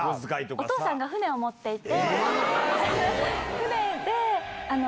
お父さんが船を持っていて。